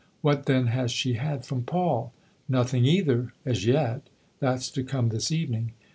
" What then has she had from Paul ?" "Nothing either as yet. That's to come this evening."